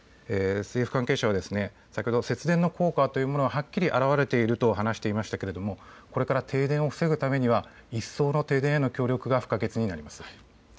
政府関係者は先ほど節電の効果というものがはっきりあらわれていると話しましたがこれから停電を防ぐためには一層の停電への協力が不可欠になります。